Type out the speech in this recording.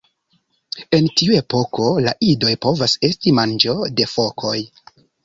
En tiu epoko la idoj povas esti manĝo de fokoj.